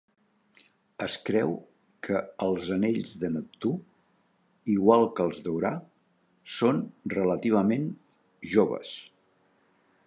Es creu que els anells de Neptú, igual que els d'Urà, són relativament joves.